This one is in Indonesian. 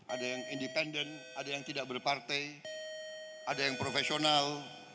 ada yang independen ada yang tidak berpartai ada yang profesional